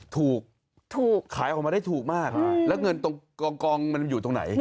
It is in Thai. ถูกถูกขายออกมาได้ถูกมากแล้วเงินตรงกองมันอยู่ตรงไหน